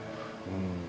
うん。